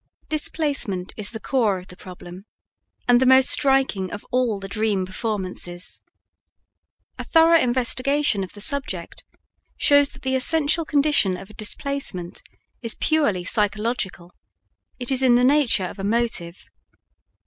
Displacement is the core of the problem, and the most striking of all the dream performances. A thorough investigation of the subject shows that the essential condition of displacement is purely psychological; it is in the nature of a motive.